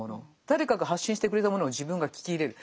誰かが発信してくれたものを自分が聞き入れる。